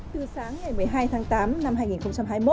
từ sáng ngày một mươi hai tháng tám năm hai nghìn một mươi chín